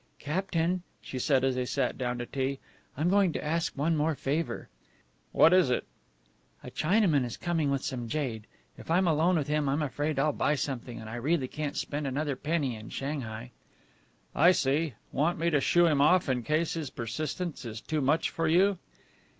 "Captain," she said as they sat down to tea, "I'm going to ask one more favour." "What is it?" "A Chinaman is coming with some jade. If I'm alone with him I'm afraid I'll buy something, and I really can't spend another penny in Shanghai." "I see. Want me to shoo him off in case his persistence is too much for you."